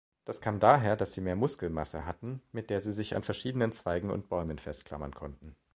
Das kam daher, dass sie mehr Muskelmasse hatten, mit der sie sich an verschiedenen Zweigen und Bäumen festklammern konnten.